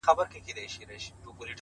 • یوه ورځ وو یو صوفي ورته راغلی,